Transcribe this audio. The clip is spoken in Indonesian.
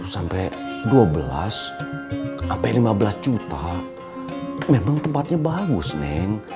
sampai lima belas juta memang tempatnya bagus neng